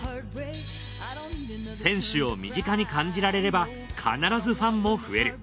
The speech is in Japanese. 選手を身近に感じられれば必ずファンも増える。